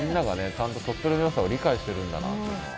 ちゃんと鳥取のよさを理解してるんだなっていうのは。